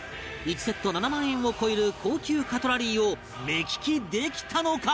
１セット７万円を超える高級カトラリーを目利きできたのか？